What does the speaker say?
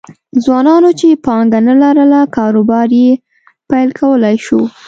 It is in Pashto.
ځوانانو چې پانګه نه لرله کاروبار یې پیل کولای شو